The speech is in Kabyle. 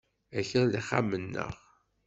Akal d axxam-nneɣ.